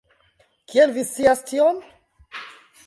Kiel vi scias tion?